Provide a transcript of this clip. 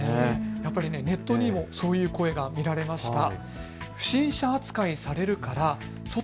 やっぱりネットにもそういう声が見られました。